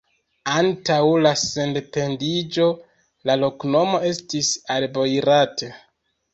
Antaŭ la sendependiĝo la loknomo estis Al-Boirat.